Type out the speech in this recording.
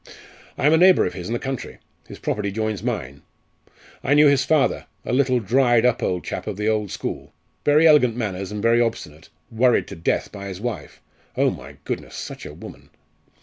I am a neighbour of his in the country. His property joins mine. I knew his father a little, dried up old chap of the old school very elegant manners and very obstinate worried to death by his wife oh, my goodness! such a woman!"